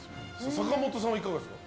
坂本さんはいかがですか？